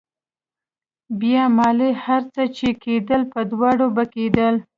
بيا مالې هر څه چې کېدل په دواړو به کېدل.